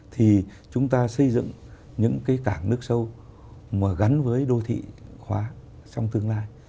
thì chúng ta xây dựng những cái cảng nước sâu mà gắn với đô thị khóa trong tương lai